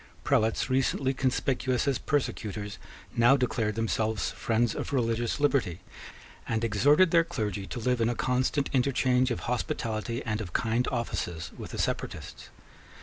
Prelates recently conspicuous as persecutors now declared themselves friends of religious liberty, and exhorted their clergy to live in a constant interchange of hospitality and of kind offices with the separatists.